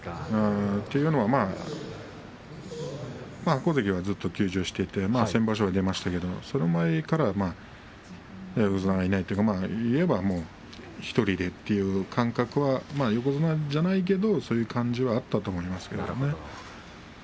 というのは白鵬関はずっと休場していて先場所は出ましたけれどその前から横綱がいない１人でという感覚は横綱じゃないけれどもそういう感じはあったと思います。